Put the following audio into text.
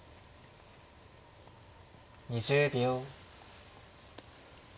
２０秒。